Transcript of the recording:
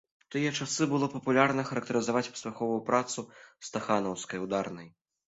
У тыя часы было папулярна характарызаваць паспяховую працу стаханаўскай, ударнай.